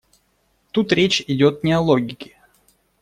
Тут речь идет не о логике.